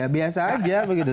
biasa aja begitu